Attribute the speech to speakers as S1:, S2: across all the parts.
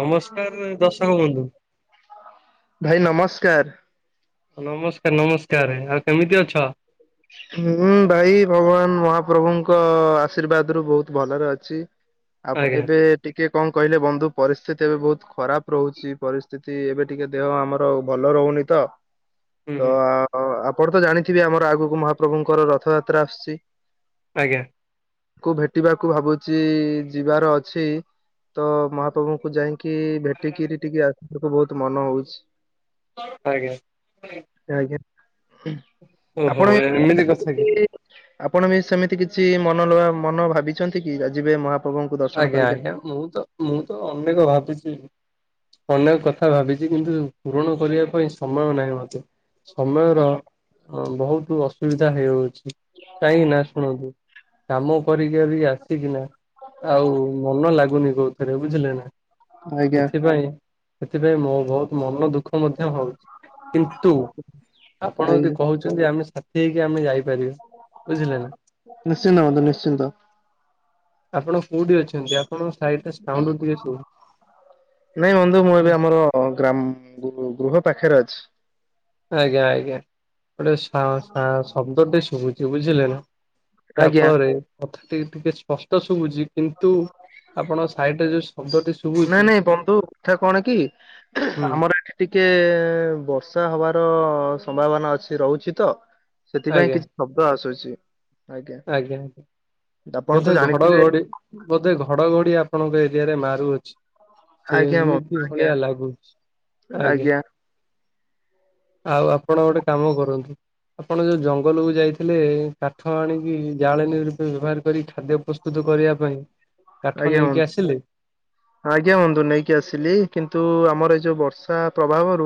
S1: ନମସ୍କାର ଦର୍ଶକ ବନ୍ଧୁ।
S2: ଭାଇ ନମସ୍କାର।
S1: ନମସ୍କାର, ନମସ୍କାର। ଆଉ କେମିତି ଅଛ?
S2: ହୁଁ, ଭାଇ ଭଗବାନ ମହାପ୍ରଭୁଙ୍କ ଆଶୀର୍ବାଦରୁ ବହୁତ ଭଲରେ ଅଛି। ଆପ
S1: ଆଜ୍ଞା
S2: ଏବେ ଟିକେ କଣ କହିଲେ ବନ୍ଧୁ, ପରିସ୍ଥିତି ଏବେ ବହୁତ ଖରାପ ରହୁଛି। ପରିସ୍ ସ୍ଥିତି ଏବେ ଟିକେ ଦେହ ଆମର ଭଲ ରହୁନି ତ।
S1: ହୁଁ
S2: ତ
S1: ହୁଁ
S2: ଅ, ଆପଣ ତ ଜାଣିଥିବେ, ଆମର ଆଗକୁ ମହାପ୍ରଭୁଙ୍କର ରଥଯାତ୍ରା ଆସୁଛି।
S1: ଆଜ୍ଞା।
S2: କୁ ଭେଟିବାକୁ ଭାବୁଚି ଯିବାର ଅଛି। ତ ମହାପ୍ରଭୁଙ୍କୁ ଯାଇକି ଭେଟିକିରି ଟିକେ ଆସିବାକୁ ବହୁତ ମନ ହଉଛି।
S1: ଆଜ୍ଞା।
S2: ଆଜ୍ଞା।
S1: ଓହୋ ଭାଈ ଏମିତି କଥା କି।
S2: କି ଆପଣ ବି ସେମିତି କିଛି ମନଲବା ମନ ଭାବିଛନ୍ତି କି ଆଯିବି ମୁ ଆ
S1: ଆଜ୍ଞା ଆଜ୍ଞା ମୁଁ ତ ମୁଁ ତ ଅନେକ ଭାବିଛି। ଅନେକ କଥା ଭାବିଚି କିନ୍ତୁ ପୂରଣ କରିବା ପାଇଁ ସମୟ ନାହିଁ ମତେ ସମୟର
S2: ହଁ
S1: ହଁ ବହୁତ ଅସୁବିଧା ହେଇଯାଉଛି କାହିଁକି ନା ଶୁଣନ୍ତୁ। କାମ କରିକି ଅରିକି ଆସିକି ନା ଆଉ ମନ ଲାଗୁନି କୋଉଥିରେ ବୁଝିଲେ ନା
S2: ଆଜ୍ଞା
S1: ସେଥିପାଇଁ ସେଥିପାଇଁ ମୋ ବହୁତ ମନ ଦୁଃଖ ମଧ୍ୟ ହଉଚି କିନ୍ତୁ ଆପଣ
S2: ଆଜ୍ଞା
S1: ଯଦି କହୁଛ ଚନ୍ତି ଆମେ ସାଥି ହେଇକି ଆମେ ଯାଇପାରିବେ।
S2: ନିଶ୍ଚିନ୍ତ ହନ୍ତୁ ନିଶ୍ଚିନ୍ତ।
S1: ଆପଣ କୋଉଠି ଅଛ ଚନ୍ତି ଆପଣଙ୍କ ସାହିଟ ସାଉଣ୍ଡ ଟିକେ ସବୁ
S2: ହଁ ଗ୍ରାମ ଗୃହ ପାଖରେ ଅଛି।
S1: ଆଜ୍ଞା ଆଜ୍ଞା ଗୋଟେ ସା-ସା-ଶବ୍ଦଟେ ଶୁଭୁଛି ବୁଝିଲେ ନା। ଯା
S2: ଆଜ୍ଞା।
S1: ଫଳରେ କଥା ଟିକେ ଟିକେ ସ୍ପଷ୍ଟ ଶୁଭୁଚି କିନ୍ତୁ ଆପଣ ସାଇଟରେ ଯୋଉ ଶବ୍ଦଟି ଶୁ
S2: ନାଇଁ ନାଇଁ ବନ୍ଧୁ କଥା କଣ କି
S1: ହୁଁ
S2: ଆମର ଏଠି ଟି ଟିକେ ବର୍ଷା ହବାର ସମ୍ଭାବନା ଅଛି ରହୁଛି ତ ସେଥିପାଇଁ
S1: ଆଜ୍ଞା
S2: କିଛି ଶବ୍ଦ ଆସୁଛି।
S1: ଆଜ୍ଞା
S2: ଆପଣ ତ
S1: ବୋଧେ ଘଡ
S2: ଜାଣିଥିବେ
S1: ଘଡି। ବୋଧେ ଘଡଘଡି ଆପଣଙ୍କ ଏରିଆରେ ମାରୁଅଛି। ସେ
S2: ଆଜ୍ଞା ବନ୍ଧୁ
S1: ଏମିତି
S2: ଆଜ୍ଞା
S1: ଭଳିଆ ଲାଗୁଛି ଆଜ୍ଞା। ଆଉ ଆପଣ ଗୋଟେ କାମ କରନ୍ତୁ ଆପଣ ଯୋଉ ଜଙ୍ଗଲ କୁ ଯାଇଥିଲେ କାଠ ହାଣିକି ଜାଳେଣୀ ରୂପେ ବ୍ୟବହାର କରି ଖାଦ୍ୟ ପ ସ୍ତୁତୁ କରିବା ପାଇଁ କାଠ
S2: ଆଜ୍ଞା
S1: ନେଇକି
S2: ବନ୍
S1: ଆସିଲେ?
S2: ଆଜ୍ଞା ବନ୍ଧୁ ନେଇକି ଆସିଲି କିନ୍ତୁ ଆମର ଏଇ ଯୋଉ ବର୍ଷା ପ୍ରଭାବରୁ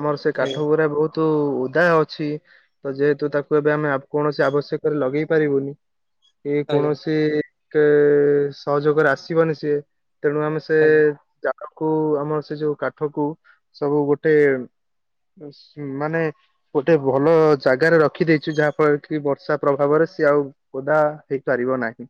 S2: ଆମର ସେ କାଠ
S1: ଆଜ୍ଞା
S2: ଗୁରା ବହୁତ ତୁ ଉଦା ଅଛି ତ ଯେହେତୁ ତାକୁ ଏବେ ଆମେ କୌଣସି ଆବଶ୍ୟକରେ ଲଗେଇ ପାରିବୁନି ଇଏ
S1: ଆଜ୍ଞା
S2: କୌଣସି କେ ସହଯୋଗରେ ଆସିବନି ସିଏ ତେଣୁ ଆମେ ସେ ସେ
S1: ଆଜ୍ଞା
S2: ଜାଗାକୁ ଆମର ସେଇ ଯୋଉ କାଠ କୁ ସବୁ ଗୋଟେ ମାନେ ଗୋଟେ ଭଲ ଜାଗାରେ ରଖିଦେଇଛୁ ଯାହାଫଳରେ କି ବର୍ଷା ପ୍ରଭାବରେ ସିଏ ଆଉ ଓଦା ହେଇ ପାରିବ ନାହିଁ।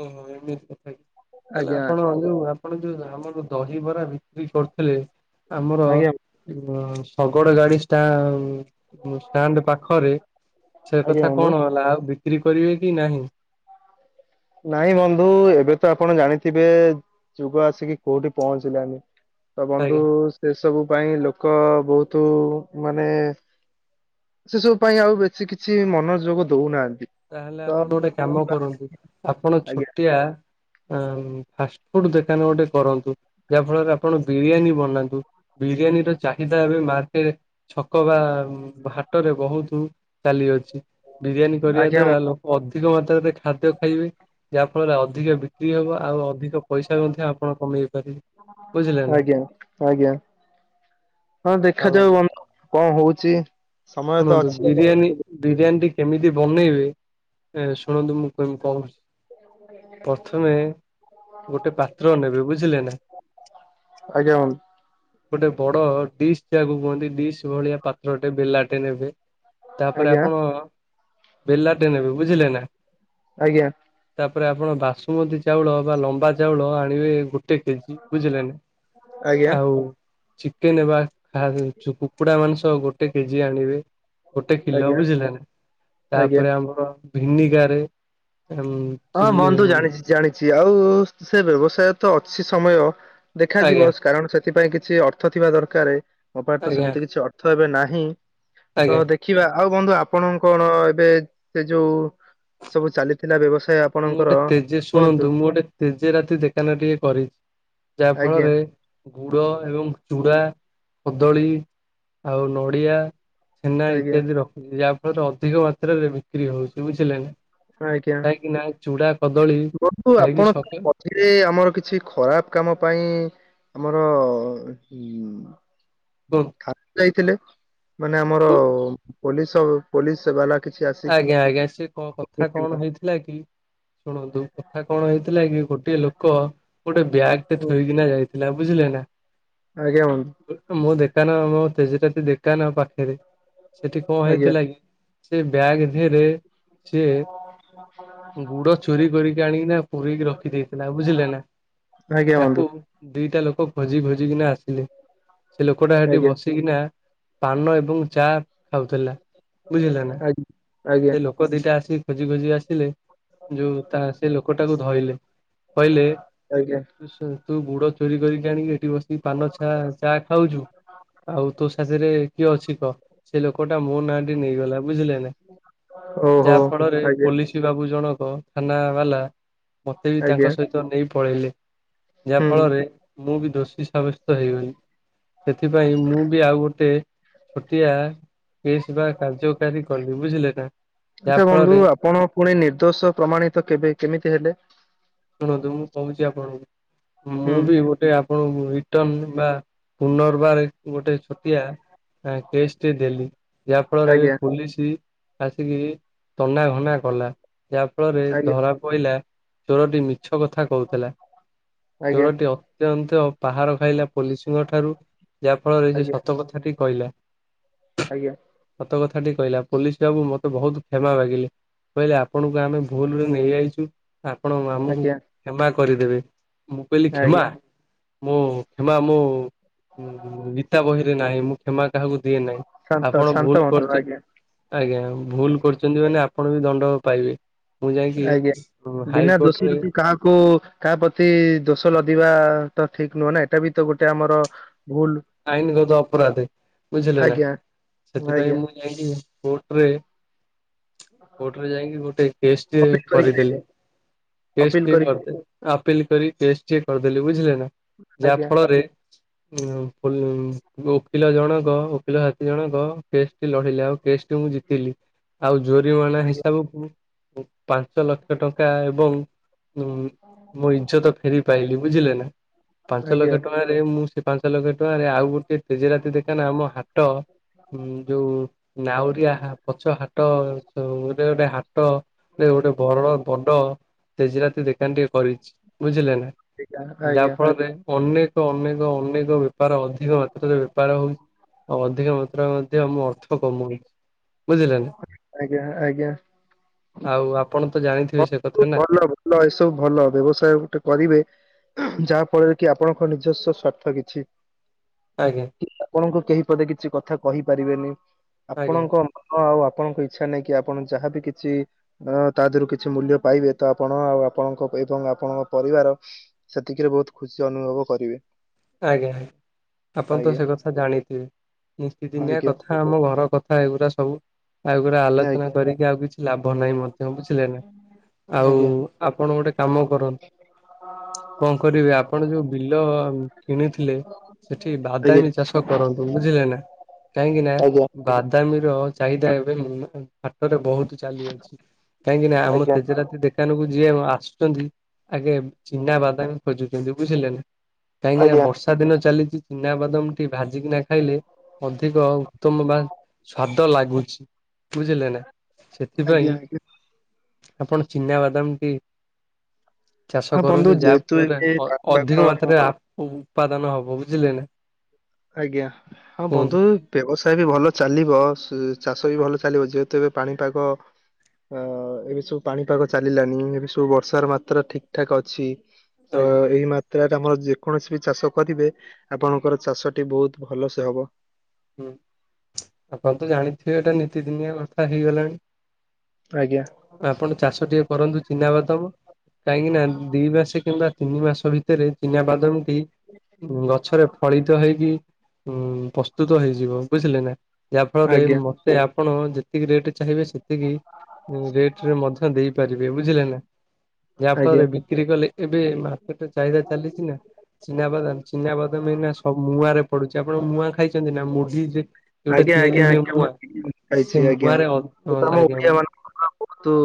S1: ଓହୋ ଏମିତି କଥା କି ତାହାଲେ
S2: ଆଜ୍ଞା
S1: ଆପଣ ଯୋଉ ଆ ଆପଣ ଯୋଉ ଆମର ଦହିବରା ବିକ୍ରି କରୁଥିଲେ ଆମର
S2: ଆଜ୍ଞା
S1: ଶଗଡ ଗାଡି ଷ୍ଟା ଷ୍ଟାଣ୍ଡ ପାଖରେ ସେ
S2: ଆଜ୍ଞା
S1: କଥା
S2: ବନ୍ଧୁ।
S1: କଣ ହେଲା ଆଉ ବିକ୍ରି କରିବେ କି ନାହିଁ।
S2: ନାଇଁ ବନ୍ଧୁ ଏବେ ତ ଆପଣ ଜାଣିଥିବେ ଯୁଗ ଆସିକି କୋଉଠି ପହଞ୍ଚିଲାଣି। ତ ବନ୍ଧୁ
S1: ଆଜ୍ଞା।
S2: ସେ ସବୁ ପାଇଁ ଲୋକ ବହୁତୁ ମାନେ ସେ ସବୁ ପାଇଁ ଆଉ ବେଶୀ କିଛି ମନୋଯୋଗ ଦଉନାହାନ୍ତି।
S1: ତାହେଲେ
S2: ତ
S1: ଆପଣ ଗୋଟେ କାମ କରନ୍ତୁ ଆପଣ
S2: ଆଜ୍ଞା
S1: ଛୋଟିଆ ଫାଷ୍ଟଫୁଡ ଦେକାନ ଗୋଟେ କରନ୍ତୁ ଯାହା ଫଳରେ ଆପଣ ବିରିୟାନୀ ବନାନ୍ତୁ। ବିରିୟାନୀର ଚାହିଦା ଏବେ ମାର୍କେ ଛକ ବା ହାଟରେ ବହୁତୁ ଚାଲି ଅଛି। ବିରିୟାନୀ କରିବା
S2: ଆଜ୍ଞା
S1: ଦ୍ଵାରା ଲୋକ ଅଧିକ ମାତ୍ରାରେ ଖାଦ୍ୟ ଖାଇବେ ଯାହା ଫଳରେ ଅଧିକ ବି ଧି ହବ ଆଉ ଅଧିକ ପଇସା ମଧ୍ୟ ଆପଣ କମେଇ ପାରିବେ ବୁଝିଲେନା।
S2: ଆଜ୍ଞା ଆଜ୍ଞା। ହଁ
S1: ଆଉ
S2: ଦେଖାଯାଉ ବନ୍ଧୁ କଣ ହଉଚି।
S1: ଶୁଣନ୍ତୁ ବିରିୟାନୀ ବିରିୟାନୀଟି କେମିତି ବନେଇବେ ଶୁଣନ୍ତୁ ମୁଁ କଣ ପ୍ରଥମେ ଗୋଟେ ପାତ୍ର ନେବେ ବୁଝିଲେ ନା
S2: ଆଜ୍ଞା ହ
S1: ଗୋଟେ ବଡ ଡିସ୍ ଯାହାକୁ କୁହନ୍ତି ଡିସ୍ ଭଳିଆ ପାତ୍ରଟେ ବେଲାଟେ ନେବେ ତାପରେ
S2: ଆଜ୍ଞା
S1: ଆପଣ ବେଲାଟରେ ନେବେ ବୁଝିଲେ ନା
S2: ଆଜ୍ଞା
S1: ତାପରେ ଆପଣ ବାସୁମତୀ ଚାଉଳ ବା ଲମ୍ବା ଚାଉଳ ଆଣିବେ ଗୋଟେ କେଜି ବୁଝିଲ ନାି
S2: ଆଜ୍ଞା
S1: ଆଉ ଚିକେନବା ଖାୁ କୁକୁଡା ମାଂସ ଗୋଟେ କେଜି ଆଣିବେ ଗୋଟେ କିଲୋ ବୁଝିଲାନ
S2: ଆଜ୍ଞା
S1: ତାପରେ ଆମର ଭିନିଗାର
S2: ହଁ ବନ୍ତୁ ଜାଣିଛି ଜାଣିଛି ଆଉ ସେ ବ୍ୟବସାୟ ତ ଅଛି ସମୟ ଦେଖାଯିବ
S1: ଆଜ୍ଞା
S2: କାରଣ ସେଥିପାଇଁ କିଛି ଅର୍ଥ ଥିବା ଦରକାର ମୋ ପାଇଁ ତ
S1: ଆଜ୍ଞା
S2: ସେମିତି କିଛି ଅର୍ଥ ଏବେ ନାହିଁ ତ
S1: ଆଜ୍ଞା।
S2: ଦେଖ ଦେଖିବା ଆଉ ବନ୍ଧୁ ଆପଣ କଣ ଏବେ ସେ ଯୋଉ ସବୁ ଚାଲିଥିଲା ବ୍ୟବସାୟ
S1: ମୁଁ
S2: ଆପଣଙ୍କର
S1: ଗୋଟେ ତେଜେ
S2: କୁହନ୍ତୁ
S1: ଶୁଣନ୍ତୁ ମୁଁ ଗୋଟେ ତେଜେ ରାତି ଦେଖାନ ଟିକେ କରିଛି ଯାହା
S2: ଆଜ୍ଞା
S1: ଫଳରେ ଗୁଡ ଏବଂ ଚୁଡ଼ା କଦଳୀ ଆଉ ନଡ଼ିଆ ଛେନା
S2: ଆଜ୍ଞା
S1: ଇତ୍ୟାଦି ରଖୁଛି ଯାହା ଫଳରେ ଅଧିକ ମାତ୍ରାରେ ବିକ୍ରି ହଉଛି ବୁଝିଲେ ନା
S2: ଆ କଆା
S1: କାହିଁକି ନା ଚୁଡା କଦଳୀ ଖାଇକି ସକ
S2: ସେଥିରେ ଆମର କିଛି ଖରାପ କାମ ପାଇଁ ଆମର
S1: କୁହନ୍ତୁ।
S2: ଯାଇଥିଲେ ମାନେ ଆମର ପୋଲିସ ପୋଲିସ ବାଲା କିଛି ଆସିକି
S1: ଆଜ୍ଞା ଆଜ୍ଞା ସି କଥା କଣ ହେଇଥିଲା ଥିଲା କି ଶୁଣନ୍ତୁ କଥା କଣ ହେଇଥିଲା କି ଗୋଟିଏ ଲୋକ ଗୋଟେ ବ୍ୟାଗ ତେ ଥୋଇକିନା ଯାଇଥିଲା ବୁଝିଲେ ନା
S2: ଆଜ୍ଞା
S1: ମୁଁ ଦେଖାନ ମୋ ତେଜରାତି ଦେଖାନ ପାଖରେ ସେଠି କଣ
S2: ଆଜ୍ଞା
S1: ହେଇଥିଲା କି ସେ ବ୍ୟାଗ ଧରେ ସିଏ ଗୁଡ ଚୋରି କରିକି ଆଣିକିନା ପୁରୀକି ରଖି ଦେଇେଇଥିଲା ବୁଝିଲେ ନା
S2: ଆଜ୍ଞା
S1: ତାକୁ
S2: ହୁନ୍ତୁ
S1: ଦିଟା ଲୋକ ଖୋଜି ଖୋଜିିକନା ଆସିଲେ ସେ ଲୋକଟା ସେଠି
S2: ଆଜ୍ଞା
S1: ବସ ସିନା ପାନ ଏବଂ ଚା ଖାଉଥିଲା ବୁଝିଲା ନା
S2: ଆଜ୍ଞା ଆଜ୍ଞା
S1: ସେ ଲୋକ ଦିଟା ଆସିିକ ଖୋଜି ଖୋଜି ଆସିଲେ ଯୋଉ ତା ସେ ଲୋକଟାକୁ ଧୋଇଲେ କହିଲେ
S2: ଆଜ୍ଞା,
S1: ତୁ ବୁଡ ଚୋରି କରିକି ଆଣିକି ଏଠି ବ ପାନଛା ଚାହା ଖାଉଛୁ ଆଉ ତୋ ସାଥିରେ କିଏ ଅଛି କହ ସେ ଲୋକଟା ମୋ ନାଁଟି ନେଇଗଲା ବୁଝିଲେ ନା
S2: ଓ ହୋ
S1: ଯାହା ଫଳରେ
S2: ଆଜ୍ଞ
S1: ପୋଲିସ ବାବୁ ଜଣକ ଥାନା ବାଲା ମତେ ବି ତାଙ୍କ
S2: ଆଜ୍ଞା
S1: ସହିତ ନେଇ ପଳେଇଲେ ଯାହା
S2: ହୁଁ
S1: ଫଳରେ ମୁଁ ବି ଦୋଷୀ ସାବ୍ୟସ୍ତ ହେଇଗଲିି ସେଥିପାଇଁ ମୁଁ ବି ଆଉ ଗୋଟେ ଛୋଟିଆ ବସ୍ ବା କାର୍ଯ୍ୟକାରୀ କଲି ବୁଝିଲେ ନା
S2: ଆଚଛା
S1: ଯାହା
S2: ବନ୍ଧୁ
S1: ଫଳରେ
S2: ଆପଣ ପୁଣି ନିର୍ଦ୍ଦୋଷ ପ୍ରମାଣିତ କେବେ କେମିତି ହେଲେ
S1: ଶୁଣନ୍ତୁ ମୁଁ କହୁଛି ଆପଣଙ୍କୁ
S2: ହୁଁ
S1: ମୁଁ ବି ଗୋଟେ କଣ ରିଟଣ ବା ପୁନର୍ବାର ଗୋଟେ ଛୋଟିଆ ହଁ କେଷ୍ଟ ଦେଲି ଯାହା ଫଳରେ
S2: ଆଜ୍ଞା
S1: ପୋଲିସ ଆସିକି ତନାଘନା କଲା। ଯାହା ଫଳରେ
S2: ଆଜ୍ଞା
S1: ଧରା ପଡ଼ିଲା। ଚୋରଟି ମିଛ କଥା କହୁଥିଲା,
S2: ଆଜ୍ଞା
S1: ଚୋରଟି ନ୍ତ ପାହାର ଖାଇଲା ପୋଲିସଙ୍କ ଠାରୁ ଯାହା ଫଳରେ ସେ
S2: ଆଜ୍ଞା
S1: ସତ କଥାଟି କହିଲା।
S2: ଆଜ୍ଞା।
S1: ସତ କଥାଟି କହିଲା ପୋଲିସ୍ ବାବୁ ମତେ ବୋହୁତ୍ କ୍ଷମା ମାଗିଲେ। କହିଲେ ଆପଣଙ୍କୁ ଆମେ ଭୁଲ୍ରେ ନେଇଆଇଛୁ। ଆପଣ ଆମକୁ
S2: ଆଜ୍ଞା
S1: କ୍ଷମା କରିଦେବେ। ମୁଁ କହିଲି କ୍ଷମା
S2: ଆଜ୍ଞା
S1: ମୁଁ କ୍ଷମା ମୁଁ ଗୀତା ବହିରେ ନାହିଁ, ମୁଁ କ୍ଷମା କାହାକୁ ଦିଏ ନାହିଁ।
S2: ଶାନ୍ତ
S1: ଆପଣ
S2: ଶାନ୍ତ
S1: ଭୁଲ୍
S2: ହୁଅନ୍ତୁ
S1: କରିଛନ୍ତି,
S2: ଆଜ୍ଞା
S1: ଆଜ୍ଞା ଭୁଲ୍ କରୁ ଛନ୍ତି ମାନେ ଆପଣ ବି ଦଣ୍ଡ ପାଇବେ। ମୁଁ ଯାଇକି
S2: ଆଜ୍ଞା ବିନା ଦୋଷୀ
S1: ହାଇକୋର୍ଟରେ
S2: ରୁଟି କାହାକୁ କାହା ପ୍ରତି ଦୋଷ ଲଦିବା ତ ଠିକ୍ ନୁହେଁ ନା, ଏଇଟା ବି ତ ଗୋଟେ ଆମର ଭୁଲ୍
S1: ଆଇନଗତ ଅପରାଧୀ ବୁଝିଲେ ନା,
S2: ଆଜ୍ଞା
S1: ସେଥିପାଇଁ
S2: ଆଜ୍ଞା
S1: ମୁଁ ଯାଇଁକି କୋର୍ଟରେ କୋର୍ଟରେ ଯାଇଙ୍କି ଗୋଟେ କେସ୍ ଟେ
S2: ଅପିଲ କରିକି ଆଇଲେ
S1: କରିଦେଲେ। କେସ୍
S2: ଅପିଲ
S1: ଟି
S2: କରିକି
S1: କରିଦେଲେ। ଆପିଲ୍ କରି କେସ୍ ଚେକ୍ କରିଦେଲି, ବୁଝିଲେ ନା ଯାହା
S2: ଆଜ୍ଞା
S1: ଫଳରେ ଉ ପ ଓକିଲ ଜଣକ ଓକିଲ ସାଥୀ ଜଣକ କେସ୍ ଟି ଲଢିଲେ ଆଉ କେସ୍ ଟି ମୁଁ ଜିତିିଲି। ଆଉ ଜୋରିମାଣା
S2: ଆଜ୍ଞା
S1: ହିସାବକୁ ପାଞ୍ଚ ଲକ୍ଷ ଟଙ୍କା ଏବଂ ଉଁ ମୁଁ ଇଜ୍ଜତ ଫେରି ପାଇଲି ବୁଝିଲେ ନା ପାଞ୍ଚ
S2: ଆଜ୍ଞା
S1: ଲକ୍ଷ ଟଙ୍କା ଆରେ ମୁଁ ସେ ପାଞ୍ଚ ଲକ୍ଷ ଟଙ୍କାରେ ଆଉ ଗୋଟେ ତେଜରାତି ଦୋକନ ଆମ ହାଟ ଉଁ ଯୋଉ ନାଉରିଆ ପଛ ହାଟ ଗୋଟେ ଗୋଟେ ହାଟ ସିଏ ଗୋଟେ ବରଡ ବଡ ତେଜରାତି ଦେକାନ ଟିଏ କରିଛି, ବୁଝିଲେ ନା?
S2: ଆଜ୍ଞା ଆଜ୍ଞା
S1: ଯାହା ଫଳରେ ଅନେକ, ଅନେକ, ଅନେକ ବେପାର ଅଧିକ ମାତ୍ରାରେ ବେପାର ହଉଛି, ଆଉ ଅଧିକ ମାତ୍ରାରେ ମଧ୍ୟ ଆମ ଅର୍ଥ କମ ହଉଛି। ବୁଝିଲେନା?
S2: ଆଜ୍ଞା ଆଜ୍ଞା।
S1: ଆଉ ଆପଣ ତ ଜାଣିଥିବେ ସେ
S2: ବୁ
S1: କଥା ନା
S2: ଭର୍ଣ୍ଣ ଭଲ ଏସବୁ ଭଲ ବ୍ୟବସାୟ ଗୋଟେ କରିବେ ଯାହା ଫଳରେ କି ଆପଣଙ୍କ ନିଜସ୍ୱ ସ୍ୱାର୍ଥ କିଛି
S1: ଆଜ୍ଞା।
S2: ଆପଣଙ୍କୁ କେହି ପଦେ କିଛି କଥା କହିପାରିବେନି,
S1: ଆଜ୍ଞା
S2: ଆପଣଙ୍କ ମନ ଆଉ ଆପଣଙ୍କ ଇଛା ନେଇ କି ଆପଣ ଯାହାବି କିଛି ଅ ତା ଦେହରୁ କିଛି ମୂଲ୍ୟ ପାଇବେ ତ ଆପଣ ଆଉ ଆପଣଙ୍କ ଏବଂ ଆପଣଙ୍କ ପରିବାର ସେତିକିରେ ବୋହୁତ୍ ଖୁସି ଅନୁଭବ କରିବେ।
S1: ଆଜ୍ଞା, ଆପଣ ତ
S2: ଆଜ୍ଞା
S1: ସେ କଥା ଜାଣିଥିବେ, ନିତି ଦିନିଆ
S2: ଆଜ୍ଞା
S1: କଥା। ଆମ ଘର କଥା ଏଗୁଡା ସବୁ, ଏଗୁଡା ଆଲୋଚନା
S2: ଆଜ୍ଞା
S1: କରିକି ଆଉ କିଛି ଲାଭ ନାହିଁ ମଧ୍ୟ ବୁଝିଲେ ନା, ଆଉ
S2: ଆଜ୍ଞା।
S1: ଆପଣ ଗୋଟେ କାମ କରନ୍ତୁ। କଣ କରିବେ, ଆପଣ ଯୋଉ ବିଲ କିଣିଥିଲେ, ସେଠି ବାଦାମୀ
S2: ଆଜ୍ଞା
S1: ଚାଷ କରନ୍ତୁ। ବୁଝିଲେ ନା କାହିଁକି ନା
S2: ଆଜ୍ଞା
S1: ବାଦାମୀ ର ଚାହିଦା ଏବେ ହାଟରେ ବୋହୁତ୍ ଚାଲି ଅଛି। କାହିଁକି ନା ଆମ
S2: ଆଜ୍ଞା
S1: ତେଜରାତି ଦେଖ ଦୋକାନକୁ ଯିଏ ଆସୁଛନ୍ତି ଆଗେ ଚିନା ବାଦାମି ଖୋଜୁଛନ୍ତି, ବୁଝିଲେ ନା। କାହିଁ କିନା ବର୍ଷ
S2: ଆଜ୍ଞା
S1: ବର୍ଷା ଦିନ ଚାଲିଛି ଚିନା ବାଦାମ ଟି ଭାଜିକିନା ଖାଇଲେ ଅଧିକ ଉତ୍ତମ ବା ସ୍ଵାଦ ଲାଗୁଛି ବୁଝିଲେ ନା? ସେଥିପାଇଁ
S2: ଆଜ୍ଞା ଆଜ୍ଞା।
S1: ଆପଣ ଚିନା ବାଦାମଟି ଚାଷ
S2: ହଁ ବନ୍ଧୁ
S1: କରନ୍ତୁ, ଯାହା
S2: ଯେହେତୁ
S1: ଫଳରେ
S2: ଏବେ
S1: ଅ-ଅଧିକ
S2: ପାଗ
S1: ମାତ୍ରାରେ ଆପ ଉତ୍ପାଦନ ହବ ବୁଝିଲେ ନା?
S2: ଆଜ୍ଞା। ହଁ
S1: କୁହନ୍ତୁ
S2: ବନ୍ଧୁ ବ୍ୟବସାୟ ବି ଭଲ ଚାଲିବ। ଚାଷ ବି ଭଲ ଚାଲିବ। ଯେହେତୁ ଏବେ ପାଣିପାଗ ଅ ଏବେ ସବୁ ପାଣିପାଗ ଚାଲିଲାନି, ଏବେ ସବୁ ବର୍ଷାର ମାତ୍ରା ଠିକ୍ ଠାକ୍ ଅଛି ତ
S1: ଆଜ୍ଞା।
S2: ଏଇ ମାତ୍ରାରେ ଆମର ଯେକୌଣସି ବି ଚାଷ କରିବେ, ଆପଣଙ୍କର ଚାଷା ଟି ବୋହୁତ୍ ଭଲ ସେ ହବ।
S1: ହୁଁ, ଆପଣ ତ ଜାଣିଥିବେ ଏଇଟା ନିୀତିଦିନିଆ କଥା ହେଇଗଲାଣି?
S2: ଆଜ୍ଞା।
S1: ଆପଣ ଚାଷ ଟିକେ କରନ୍ତୁ ଚିହ୍ନାବାଦାମ କାହିଁକି ନା ଦି ମାସେ କିମ୍ବା ତିନି ମାସ ଭିତରେ ଚିନା ବାଦମ ଟି ଗଛରେ ଫଳିତ ହେଇକି ଉଁ ପସ୍ତୁତ ହେଇଯିବ ବୁଝିଲେ ନା ଯାହା ଫଳରେ
S2: ଆଜ୍ଞା
S1: ମ ସେ ଆପଣ ଯେତିକି ରେଟ୍ ଚାହିଁବେ ସେତିକି ରେଟ ରେ ମଧ୍ୟ ଦେଇପାରିବେ ବୁଝିଲେ ନା ଯାହା
S2: ଆଜ୍ଞା
S1: ଫଳରେ ବି କ୍ରି କଲେ ଏବେ ମାର୍କେଟ ଚାହିଦା ଚାଲିଛି ନା ଚିନାବାଦାମ ଚିନାବାଦାମ ଏଇନା ସ ମୁଆଁରେ ପଡୁଛି ଆପଣ ମୁଆଁ ଖାଇଛନ୍ତି ନା ମୁଢି ଯେ ଯୋଉଟା
S2: ଆଜ୍ଞା
S1: ତିଆରି
S2: ଆଜ୍ଞା
S1: ହୁଏ
S2: ଆ
S1: ମୁଆଁ
S2: [unintelligible]
S1: ସେ
S2: ଛି ଆଜ୍ଞା
S1: ମୁଆଁରେ ଅ
S2: ତମ
S1: ଆଜ୍ଞା
S2: ଓଡ଼ିଆ ମାନ [inaudible] ତୁ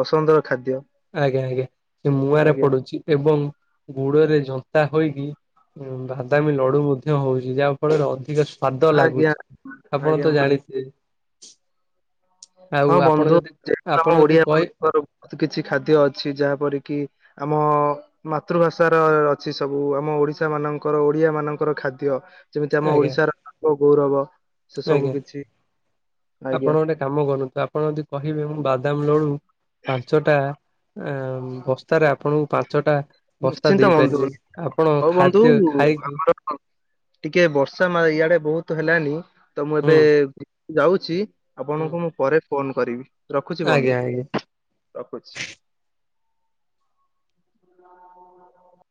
S2: ପସନ୍ଦର ଖାଦ୍ୟ।
S1: ଆଜ୍ଞା ଆଜ୍ଞା ସେ ମୁଆଁରେ
S2: ଆଜ୍ଞା
S1: ପଡୁଚି ଏବଂ ଗୁଡରେ ଝନ୍ତା ହୋଇକି ବାଦାମୀ ଲଡୁ ମଧ୍ୟ ହଉଚି ଯାହା ଫଳରେ ଅଧିକ ସ ସ୍ଵାଦ
S2: ଆଜ୍ଞା
S1: ଲାଗୁଚି ଆପଣ
S2: ଆଜ୍ଞା
S1: ତ
S2: ବୁଝି
S1: ଜାଣିଥିବେ। ଆଉ
S2: ହଁ
S1: ଆପଣ
S2: ବନ୍ଧୁ
S1: ଯଦି
S2: ଯେହେତୁ
S1: ଆପଣ
S2: ଆମ
S1: ଯଦି
S2: ଓଡିଆ
S1: କହି
S2: ଙ୍କର ବହୁତ କିଛି ଖାଦ୍ୟ ଅଛି ଯାହାପର କିି ଆମ ମାତୃଭାଷା ର ଅଛି ସବୁ ଆମ ଓଡିଶା ମାନଙ୍କର ଓଡିଆ ମାନଙ୍କର ଖାଦ୍ୟ ଯେମିତି ଆମ
S1: ଆଜ୍ଞା
S2: ଓଡିଶାର ଗୌରବ। ସେ ସବୁ
S1: ଆଜ୍ଞା
S2: କିଛି ଆଜ୍ଞା
S1: ଆପଣ ଗୋଟେ କାମ କରନ୍ତୁ ଆପଣ ଯଦି କହିବେ ମୁଁ ବାଦାମ ଲୋଡୁ ପାଞ୍ଚଟା ଆ ବସ୍ତାରେ ଆପଣଙ୍କୁ ପାଞ୍ଚଟା ବସ୍ତା
S2: ନିଶ୍ଚିନ୍ତ ବନ୍ଧୁ
S1: ଦେଇପାରିବେ ଆପଣ
S2: ହଉ ବନ୍ଧୁ
S1: ଖାଦ୍ୟ ଖାଇକି
S2: ଟିକେ ବର୍ଷା ମା ଇଆଡେ ବହୁତ ହେଲାନି ତ ମୁଁ ଏବେ
S1: ହୁଁ
S2: ଯାଉଚି
S1: ହୁଁ
S2: ଆପଣଙ୍କୁ ମୁଁ ପରେ ଫୋନ କରିବି ରଖୁଛି
S1: ଆଜ୍ଞା
S2: ବନ୍ଧୁ
S1: ଆଜ୍ଞା।
S2: ରଖୁଛି। ହ